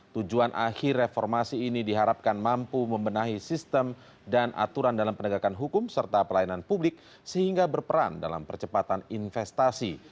tujuan akhir reformasi ini diharapkan mampu membenahi sistem dan aturan dalam penegakan hukum serta pelayanan publik sehingga berperan dalam percepatan investasi